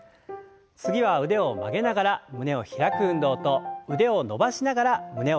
次は腕を曲げながら胸を開く運動と腕を伸ばしながら胸を開く運動。